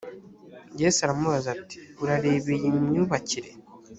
yesu aramubaza ati urareba iyi myubakire